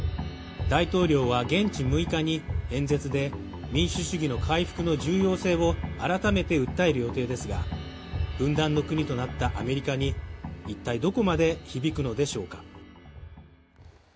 大統領は現地６日に演説で民主主義の回復の重要性を改めて訴える予定ですが、分断の国となったアメリカに一体どこまで響くのでしょうか。